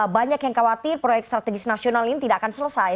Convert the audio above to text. banyak yang khawatir proyek strategis nasional ini tidak akan selesai